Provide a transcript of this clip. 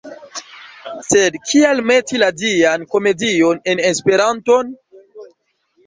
Sed kial meti la Dian Komedion en esperanton?